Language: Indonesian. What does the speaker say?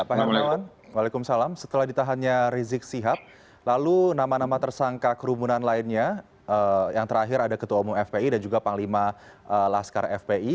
pak hermawan waalaikumsalam setelah ditahannya rizik sihab lalu nama nama tersangka kerumunan lainnya yang terakhir ada ketua umum fpi dan juga panglima laskar fpi